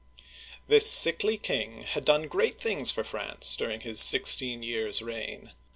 This sickly king had done great things for France during his sixteen years* reign.